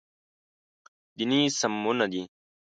دیني سمونه دی.